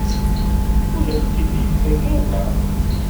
Ur as-tt-id-yettak ara?